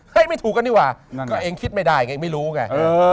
เฮ้ยไม่ถูกกันนี่วะก็เองคิดไม่ได้เองไม่รู้ไง